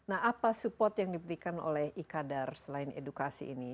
nah apa support yang diberikan oleh ikadar selain edukasi ini